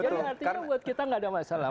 jadi artinya buat kita nggak ada masalah